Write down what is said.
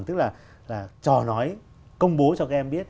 tức là trò nói công bố cho các em biết